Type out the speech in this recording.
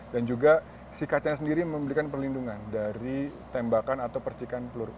dan juga si kaca sendiri memberikan perlindungan dari tembakan atau percikan peluru